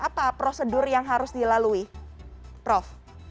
apa prosedur yang harus dilalui prof